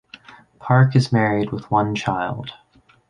Park is married with one child.